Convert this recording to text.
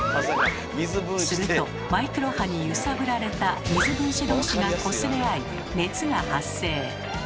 するとマイクロ波に揺さぶられた水分子同士がこすれ合い熱が発生。